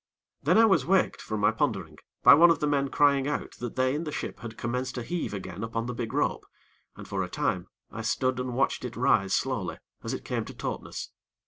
Then I was waked from my pondering, by one of the men crying out that they in the ship had commenced to heave again upon the big rope, and, for a time, I stood and watched it rise slowly, as it came to tautness.